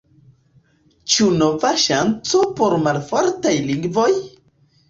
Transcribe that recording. Ĉu nova ŝanco por malfortaj lingvoj?